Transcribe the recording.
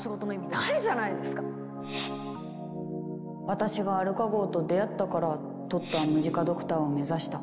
私がアルカ号と出会ったからトットはムジカ・ドクターを目指した。